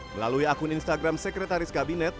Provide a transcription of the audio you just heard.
melalui akun instagram sekretaris kabinet